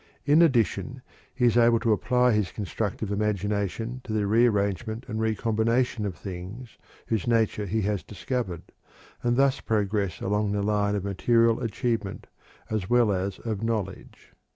In addition, he is able to apply his constructive imagination to the rearrangement and recombination of things whose nature he has discovered, and thus progress along the line of material achievement as well as of knowledge.